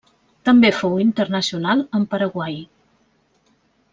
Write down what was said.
També fou internacional amb Paraguai.